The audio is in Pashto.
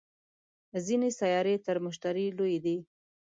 ځینې سیارې تر مشتري لویې دي